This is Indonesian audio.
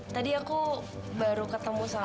tadi aku baru ketemu sama